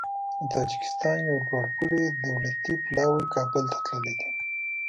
د تاجکستان یو لوړپوړی دولتي پلاوی کابل ته تللی دی.